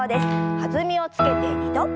弾みをつけて２度。